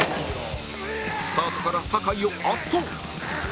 スタートから酒井を圧倒！